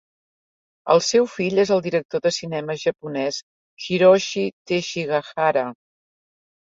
El seu fill és el director de cinema japonès Hiroshi Teshigahara.